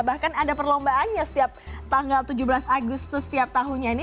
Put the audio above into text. bahkan ada perlombaannya setiap tanggal tujuh belas agustus setiap tahunnya ini